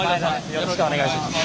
よろしくお願いします。